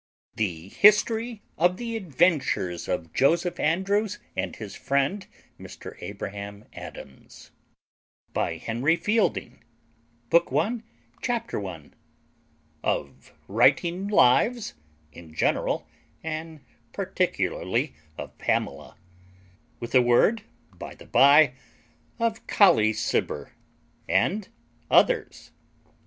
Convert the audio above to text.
THE HISTORY OF THE ADVENTURES OF JOSEPH ANDREWS AND HIS FRIEND MR ABRAHAM ADAMS BOOK I. CHAPTER I. _Of writing lives in general, and particularly of Pamela; with a word by the bye of Colley Cibber and others.